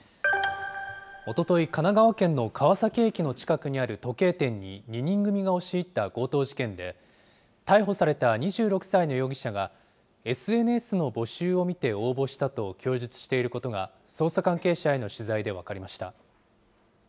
おととい、神奈川県の川崎駅の近くにある時計店に、２人組が押し入った強盗事件で、逮捕された２６歳の容疑者が、ＳＮＳの募集を見て応募したと供述していることが、捜査関係への取材で分かりました。